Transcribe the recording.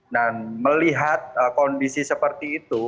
dan melihat kondisi seperti itu